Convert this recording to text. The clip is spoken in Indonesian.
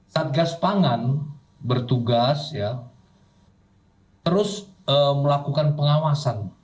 satgas pangan bertugas terus melakukan pengawasan